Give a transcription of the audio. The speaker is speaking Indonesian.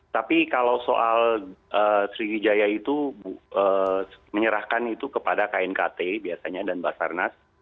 tapi kalau soal sriwijaya itu menyerahkan itu kepada knkt biasanya dan basarnas